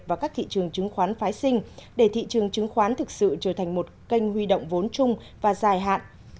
vào các thị trường chứng khoán phái sinh để thị trường chứng khoán thực sự trở thành một kênh huy động vốn chung và dài hạn